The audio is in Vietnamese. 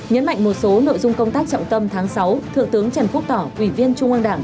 nhấn mạnh một số nội dung công tác trọng tâm tháng sáu thượng tướng trần quốc tỏ ủy viên trung ương đảng